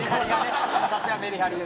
さすがメリハリで。